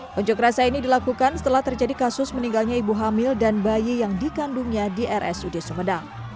pencuk rasa ini dilakukan setelah terjadi kasus meninggalnya ibu hamil dan bayi yang dikandungnya di rsud sumedang